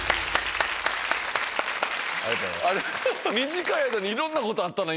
短い間にいろんなことあったな